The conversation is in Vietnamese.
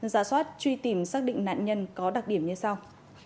giả soát truy tìm xác định nạn nhân có đặc điểm như sau